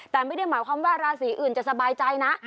แต่ไม่ได้หมายความว่าราศีอื่นจะสบายใจนะ